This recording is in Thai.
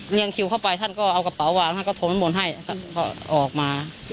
เนี่ยคิวเข้าไปท่านก็เอากระเป๋าวางท่านก็ถนให้ก็ออกมา